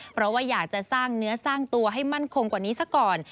เพราะว่าอยากจะสร้างเนื้อสร้างตัวให้มั่นคงกว่านี้ซะก่อน